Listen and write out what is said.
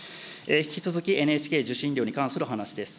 引き続き、ＮＨＫ受信料に関する話です。